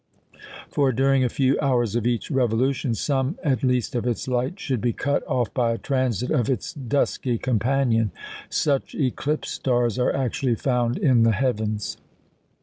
For, during a few hours of each revolution, some at least of its light should be cut off by a transit of its dusky companion. Such "eclipse stars" are actually found in the heavens.